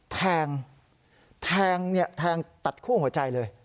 แทงแทงเนี่ยแทงตัดคู่หัวใจเลย